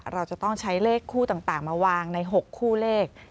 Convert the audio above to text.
เราจะต้องใช้เลขคู่ต่างมาวางใน๖คู่เลข